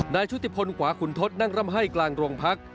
นายชุดติพลขวาขุนทศนั่งรำไห้กลางร่วงพัก